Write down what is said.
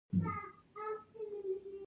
ویښتان ولې وده کوي؟